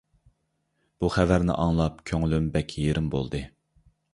بۇ خەۋەرنى ئاڭلاپ كۆڭلۈم بەك يېرىم بولدى.